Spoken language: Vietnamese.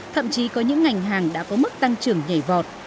thậm chí có những ngành hàng đã có mức tăng trưởng nhảy vọt